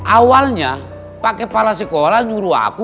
awalnya pak kepala sekolah nyuruh aku